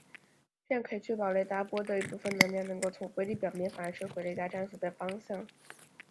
这样可以确保雷达波的一部分能量能够从微粒表面反射回雷达站所在方向。